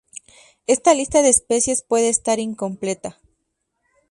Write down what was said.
Esta lista de especies puede estar incompleta.